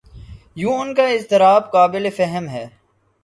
یوں ان کا اضطراب قابل فہم ہے۔